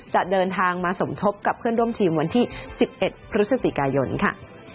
จะเดินทางมาสมทบกับเพื่อนร่วมทีมวันที่๑๑พฤศจิกายนค่ะ